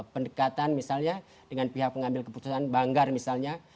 pendekatan misalnya dengan pihak pengambil keputusan banggar misalnya